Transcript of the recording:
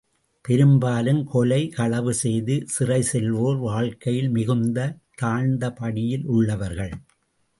பெரும்பாலும் கொலை, களவு செய்து சிறைசெல்லுவோர் வாழ்க்கையில் மிகுந்த தாழ்ந்தபடியிலுள்ளவர்கள்.